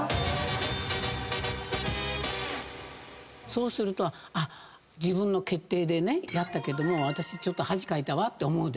そうすると自分の決定でやったけども私ちょっと恥かいたわって思う。